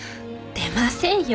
出ませんよ